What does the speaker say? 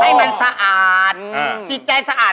ให้มันสะอาดจิตใจสะอาด